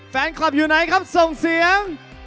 แฟนคลับอยู่ไหนครับส่งเสียง